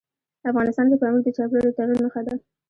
افغانستان کې پامیر د چاپېریال د تغیر نښه ده.